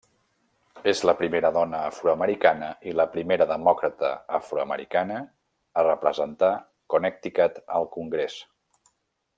És la primera dona afroamericana i la primera demòcrata afroamericana a representar Connecticut al Congrés.